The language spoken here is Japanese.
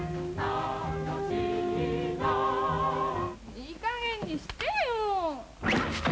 いいかげんにしてよ。